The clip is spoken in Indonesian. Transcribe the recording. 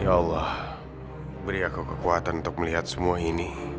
ya allah beri aku kekuatan untuk melihat semua ini